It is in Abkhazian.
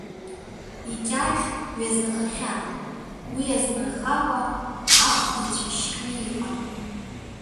Икьаҿ ҩазахахьан, уи азмырхакәа ахәда цәашькны иҟан.